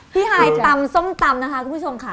ฮายตำส้มตำนะคะคุณผู้ชมค่ะ